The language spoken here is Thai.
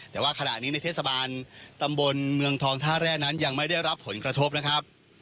แต่ว่าขณะนี้ในเทศบาลตำบลเมืองทองท่าแร่นั้นยังไม่ได้รับผลกระทบนะครับ